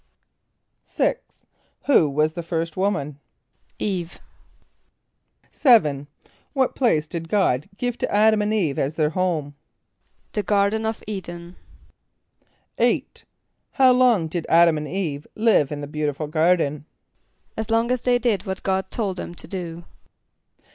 = =6.= Who was the first woman? =[=E]ve.= =7.= What place did God give to [)A]d´[)a]m and [=E]ve as their home? =The garden of [=E]´d[)e]n.= =8.= How long did [)A]d´[)a]m and [=E]ve live in the beautiful garden? =As long as they did what God told them to do.